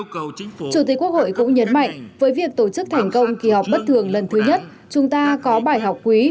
chủ tịch quốc hội cũng nhấn mạnh với việc tổ chức thành công kỳ họp bất thường lần thứ nhất chúng ta có bài học quý